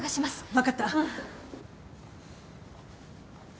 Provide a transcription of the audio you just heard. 分かった。